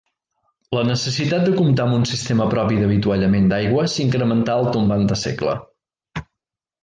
La necessitat de comptar amb un sistema propi d'avituallament d'aigua s'incrementà al tombant de segle.